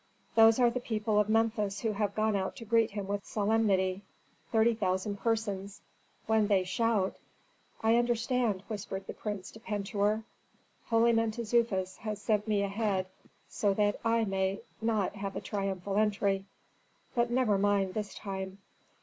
Those are the people of Memphis who have gone out to greet him with solemnity. Thirty thousand persons. When they shout " "I understand," whispered the prince to Pentuer. "Holy Mentezufis has sent me ahead so that I may not have a triumphal entry. But never mind this time."